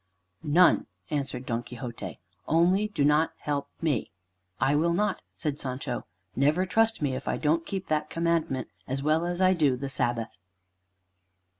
"None," answered Don Quixote, "only do not help me." "I will not," said Sancho. "Never trust me if I don't keep that commandment as well as I do the Sabbath."